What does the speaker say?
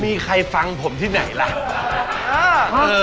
มีใครฟังผมที่ไหนล่ะ